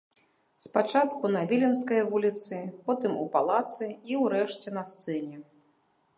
Спачатку на віленскай вуліцы, потым у палацы і, урэшце, на сцэне.